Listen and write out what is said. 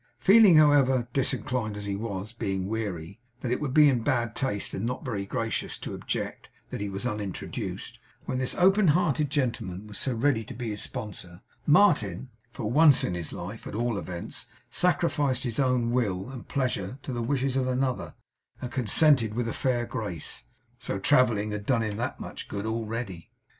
Feeling (however disinclined he was, being weary) that it would be in bad taste, and not very gracious, to object that he was unintroduced, when this open hearted gentleman was so ready to be his sponsor, Martin for once in his life, at all events sacrificed his own will and pleasure to the wishes of another, and consented with a fair grace. So travelling had done him that much good, already.